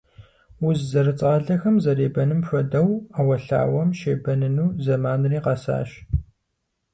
Уз зэрыцӀалэхэм зэребэным хуэдэу, Ӏэуэлъауэм щебэныну зэманри къэсащ.